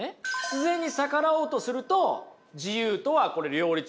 必然に逆らおうとすると自由とはこれ両立しない。